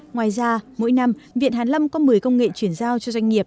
ngoài ra mỗi năm viện hàn lâm có một mươi công nghệ chuyển giao cho doanh nghiệp